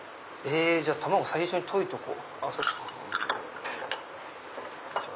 じゃあ卵最初に溶いておこう。